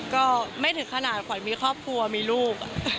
ก็ไม่ถึงขนาดขวัญมีครอบครัวมีลูก